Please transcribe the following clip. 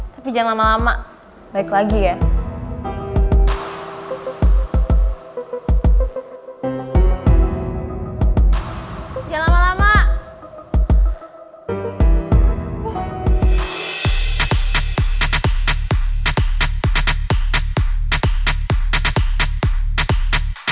tapi jangan lama lama